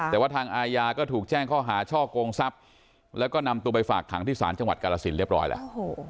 แต่ว่าทางอาญาก็ถูกแจ้งข้อหาช่อกงทรัพย์แล้วก็นำตัวไปฝากขังที่ศาลจังหวัดกาลสินเรียบร้อยแล้ว